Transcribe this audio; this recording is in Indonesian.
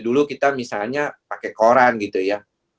dulu kita misalnya pakai koran gitu ya